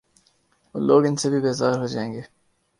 اورلوگ ان سے بھی بیزار ہوجائیں گے۔